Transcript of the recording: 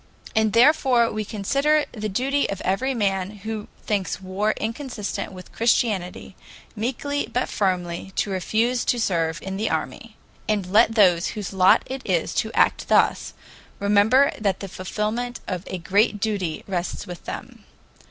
And therefore we consider it the duty of every man who thinks war inconsistent with Christianity, meekly but firmly to refuse to serve in the army. And let those whose lot it is to act thus, remember that the fulfillment of a great duty rests with them.